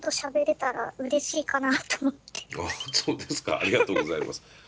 ありがとうございます。